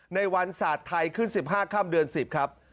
ในวันศาสตร์ไทยขึ้น๑๕ค่ำเดือน๑๐ครับ